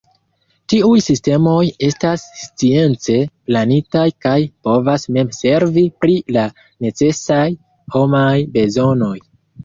Tiuj sistemoj estas science planitaj kaj povas mem servi pri la necesaj homaj bezonoj.